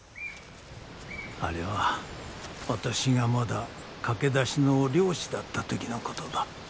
あれは私がまだ駆け出しの猟師だった時のことだ。